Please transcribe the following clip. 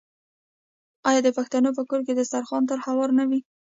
آیا د پښتنو په کور کې دسترخان تل هوار نه وي؟